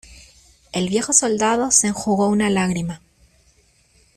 el viejo soldado se enjugó una lágrima.